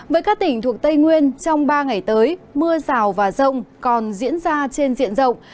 với các tỉnh thuộc tây nguyên trong ba ngày tới mưa rào và rông còn diễn ra trên diện rộng